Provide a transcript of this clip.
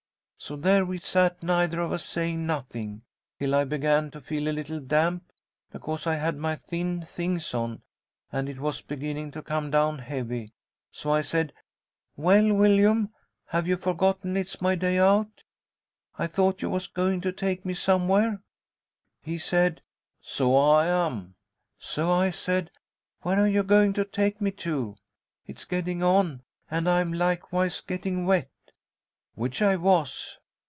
"So there we sat, neither of us saying nothing, till I began to feel a little damp, because I had my thin things on, and it was beginning to come down heavy. So I said, 'Well, Willyum, have you forgotten it's my day out? I thought you was going to take me somewhere.' He said, 'So I am.' So I said, 'Where are you going to take me to? It's getting on, and I'm likewise getting wet' which I was.